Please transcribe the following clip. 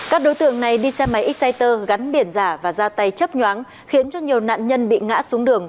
các đối tượng này đi xe máy xciter gắn biển giả và ra tay chấp nhoáng khiến cho nhiều nạn nhân bị ngã xuống đường